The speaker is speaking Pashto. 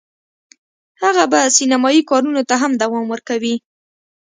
هغه به سینمایي کارونو ته هم دوام ورکوي